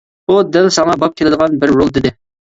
بۇ دەل ساڭا باب كېلىدىغان بىر رول-دېدى.